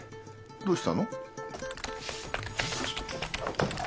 どうしたの？